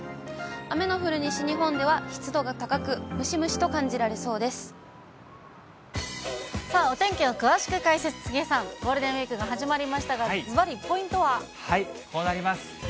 雨の降る西日本では湿度が高く、お天気を詳しく解説、杉江さん、ゴールデンウィークが始まりましたが、ずばりポイントこうなります。